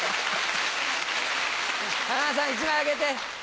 山田さん１枚あげて。